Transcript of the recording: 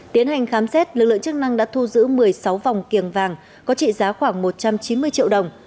tiến hành khám xét lực lượng chức năng đã thu giữ một mươi sáu vòng kiềng vàng có trị giá khoảng một trăm chín mươi triệu đồng